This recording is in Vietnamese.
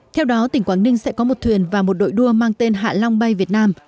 theo đó tỉnh quảng ninh sẽ có một thuyền và một đội đua mang tên hạ long bay việt nam